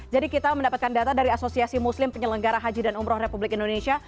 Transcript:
jadi kita mendapatkan data dari asosiasi muslim penyelenggara haji dan umroh republik indonesia